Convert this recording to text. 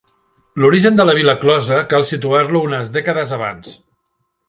L'origen de la vila closa cal situar-lo unes dècades abans.